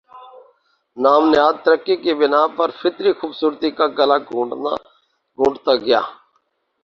نام نہاد ترقی کی بنا پر فطری خوبصورتی کا گلا گھونٹتا گیا